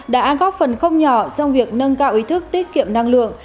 đã góp phần không nhỏ trong việc nâng cao ý thức tiết kiệm năng lượng